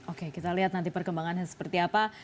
oke kita lihat nanti perkembangannya seperti apa